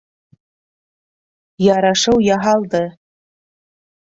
Ярашыу яһалды.